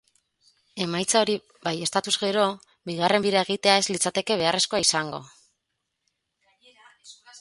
Emaitza hori baieztatuz gero, bigarren bira egitea ez litzakete beharrezkoa izango.